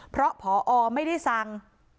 เพราะพอไม่ได้สั่ง